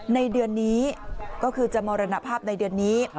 ในเดือนนี้ก็คือจะมรณภาพในเดือนนี้